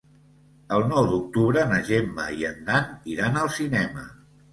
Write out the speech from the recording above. El nou d'octubre na Gemma i en Dan iran al cinema.